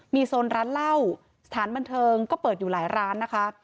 มีโซนร้านเหล้าสถานบันเทิงก็เปิดอยู่หลายร้านนะคะ